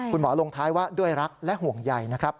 คุณหมอลงท้ายว่าด้วยรักและห่วงใหญ่นะครับ